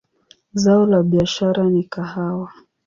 Zao la biashara ni kahawa.